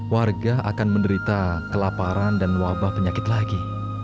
warga akan menderita kelaparan dan wabah penyakit lagi